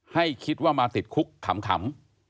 ให้คิดว่ามาติดคุกขำ